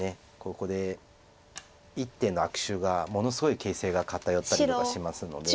ここで一手の悪手がものすごい形勢が偏ったりとかしますので。